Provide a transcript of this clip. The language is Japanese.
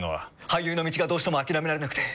俳優の道がどうしても諦められなくて。